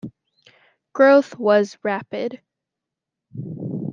Growth was rapid.